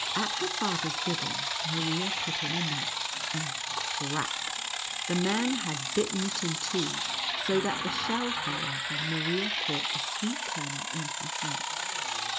At her father's bidding Maria put in a nut, and — crack — the man had bitten it in two, so that the shell fell off, and Maria caught the sweet kernel in her hand.